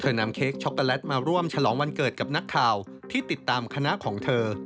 นำเค้กช็อกโกแลตมาร่วมฉลองวันเกิดกับนักข่าวที่ติดตามคณะของเธอ